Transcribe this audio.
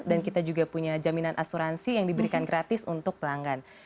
dan kita juga punya jaminan asuransi yang diberikan gratis untuk pelanggan